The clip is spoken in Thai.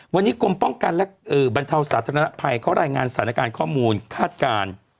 วันนี้กรมป้องกันและบรรเทาสาธารณภัยเขารายงานสถานการณ์ข้อมูลคาดการณ์